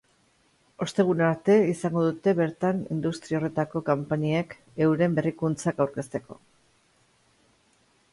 Ostegunera arte izango dute bertan industria horretako konpainiek euren berrikuntzak aurkezteko.